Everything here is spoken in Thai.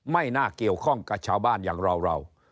ไม่น่าเกี่ยวข้องกับชาวบ้านอย่างเรา